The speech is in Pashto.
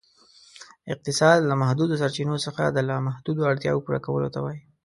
اقتصاد ، له محدودو سرچینو څخه د لا محدودو اړتیاوو پوره کولو ته وایي.